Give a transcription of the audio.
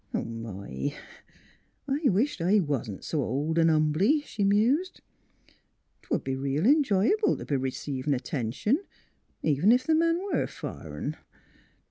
" My! I wisht I wa'n't s' old V humbly," she mused. " 'Twould be reel enjoyable t' be r'ceivin' attention, even ef the man was fur'n."